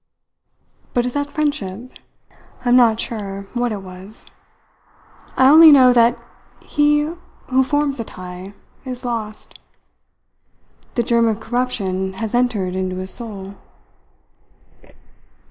But is that friendship? I am not sure what it was. I only know that he who forms a tie is lost. The germ of corruption has entered into his soul."